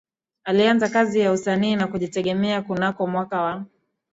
Alianza kazi ya usanii wa kujitegemea kunako mwaka wa